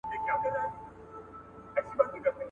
هغه خپل لاس د رڼا په لور داسې ونیو.